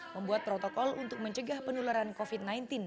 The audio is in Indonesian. membuat protokol untuk mencegah penularan covid sembilan belas